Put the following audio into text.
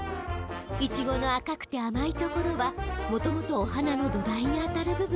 イチゴの赤くてあまいところはもともとお花の土台に当たる部分。